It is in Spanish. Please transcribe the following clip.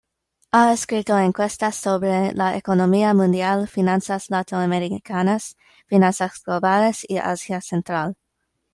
Ha escrito encuestas sobre la economía mundial, finanzas latinoamericanas, finanzas globales y Asia Central.